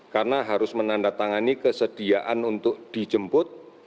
karena harus menandatangani kesediaan untuk dijemput